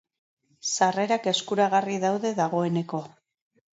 Sarrerak eskuragarri daude dagoeneko.